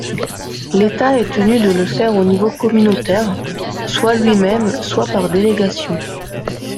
L’État est tenu de le faire au niveau communautaire, soit lui-même soit par délégation.